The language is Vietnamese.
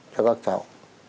cho các cháu